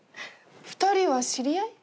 ２人は知り合い？